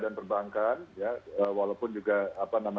dan perbankan walaupun